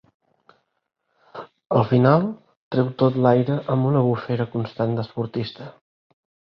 Al final treu tot l'aire amb una bufera constant d'esportista.